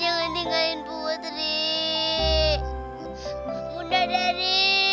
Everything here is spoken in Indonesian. jangan ninggain putri bunda dari